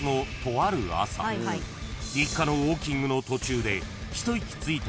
［日課のウォーキングの途中でひと息ついたときに］